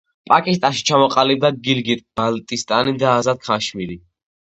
პაკისტანში ჩამოყალიბდა გილგიტ-ბალტისტანი და აზად-ქაშმირი.